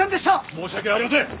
申し訳ありません！